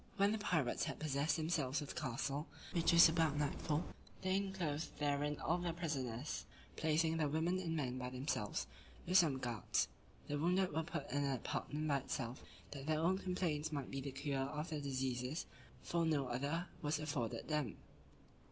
When the pirates had possessed themselves of the castle, which was about nightfall, they enclosed therein all the prisoners, placing the women and men by themselves, with some guards. The wounded were put in an apartment by themselves, that their own complaints might be the cure of their diseases; for no other was afforded them.